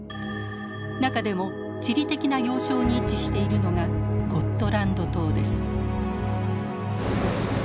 中でも地理的な要衝に位置しているのがゴットランド島です。